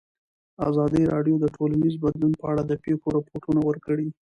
ازادي راډیو د ټولنیز بدلون په اړه د پېښو رپوټونه ورکړي.